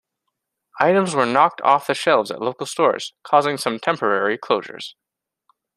Items were knocked off the shelves at local stores, causing some temporary closures.